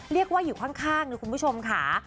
เรียกว่าอยู่ข้างนะคุณผู้ชมค่ะ